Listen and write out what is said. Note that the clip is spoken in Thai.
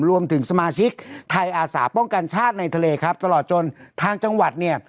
รวมถึงสมาชิกไทยอาสาป้องกันชาติในทะเลครับตลอดจนทางจังหวัดเนี่ย